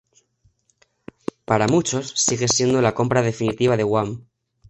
Para muchos, sigue siendo la compra definitiva de Wham!